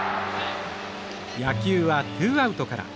「野球はツーアウトから」。